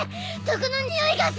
毒のにおいがする。